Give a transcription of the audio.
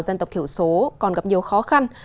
dân tộc thiểu số còn gặp nhiều khó khăn